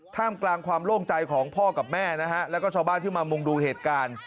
ท่ามกลางความโล่งใจของพ่อกับแม่นะฮะแล้วก็ชาวบ้านที่มามุงดูเหตุการณ์